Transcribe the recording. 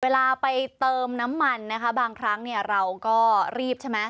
เวลาไปเติมน้ำมันนะคะบางครั้งเนี่ยเราก็รีบใช่ไหม